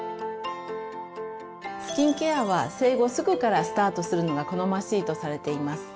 スキンケアは生後すぐからスタートするのが好ましいとされています。